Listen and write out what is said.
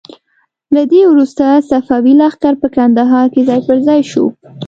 له دې وروسته صفوي لښکر په کندهار کې ځای په ځای شو.